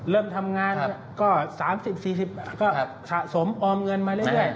เริ่มทำงานก็๓๐๔๐ก็สะสมออมเงินมาเรื่อย